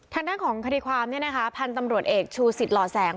ทางของคดีความเนี่ยนะฮะพันธุ์ตำรวจเอกชู่สิระแสง